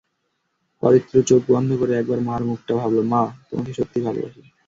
অরিত্র চোখ বন্ধ করে একবার মার মুখটা ভাবল, মা, তোমাকে সত্যি ভালোবাসি।